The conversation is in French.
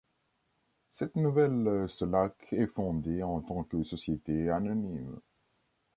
Cette nouvelle Sollac est fondée en tant que société anonyme.